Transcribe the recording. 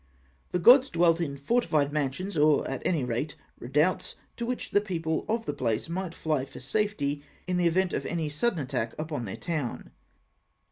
The gods dwelt in fortified mansions, or at any rate in redoubts to which the people of the place might fly for safety in the event of any sudden attack upon their town.